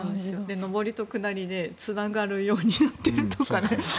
上りと下りでつながるようになっているとか。